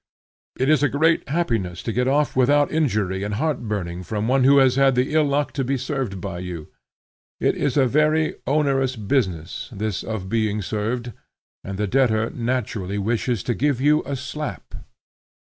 It is a great happiness to get off without injury and heart burning from one who has had the ill luck to be served by you. It is a very onerous business, this of being served, and the debtor naturally wishes to give you a slap.